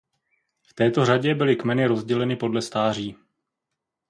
V této řadě byly kmeny rozděleny podle stáří.